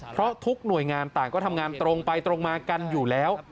เพราะทุกหน่วยงานต่างก็ทำงานตรงไปตรงมากันอยู่แล้ว